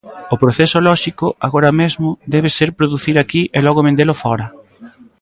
O proceso lóxico, agora mesmo, debe ser producir aquí e logo vendelo fóra.